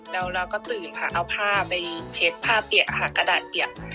แล้วเราก็ตื่นค่ะเอาผ้าไปเช็ดผ้าเปียกค่ะกระดาษเปียก